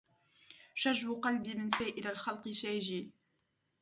شجو قلبي من سائر الخلق شاجي